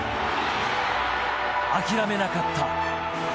諦めなかった。